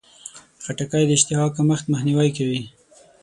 خټکی د اشتها کمښت مخنیوی کوي.